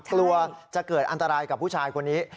กลัวจะเกิดอันตรายกับผู้ชายคนนี้